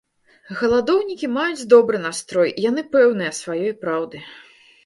Галадоўнікі маюць добры настрой, яны пэўныя сваёй праўды.